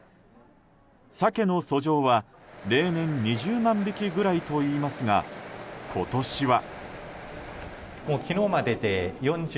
サケの遡上は例年２０万匹ぐらいといいますが今年は。